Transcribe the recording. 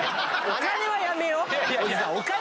お金はやめようよ。